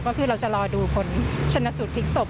ก็คือเราจะรอดูผลชนสูตรพลิกศพ